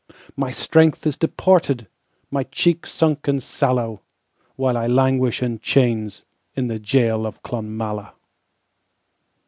My strength is departed, My cheek sunk and sallow, While I languish in chainsIn the gaol of Clonmala.